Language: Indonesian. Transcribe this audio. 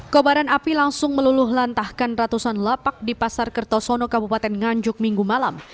kobaran api langsung meluluh lantahkan ratusan lapak di pasar kertosono kabupaten nganjuk minggu malam